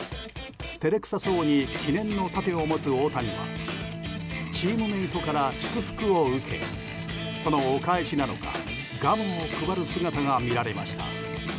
照れくさそうに記念の盾を持つ大谷はチームメートから祝福を受けそのお返しなのかガムを配る姿が見られました。